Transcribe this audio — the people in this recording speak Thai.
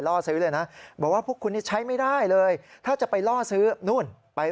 โรงพักโรงพักโรงพัก